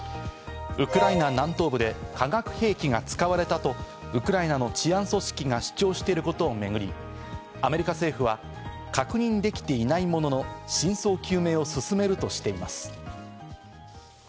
ウクライナ南東部で化学兵器が使われたとウクライナの治安組織が主張をしていることをめぐり、アメリカ政府は確認できていないものの、真相究明を進めるとしています。